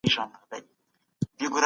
ملکیت یو فطري غوښتنه ده چي باید رعایت سي.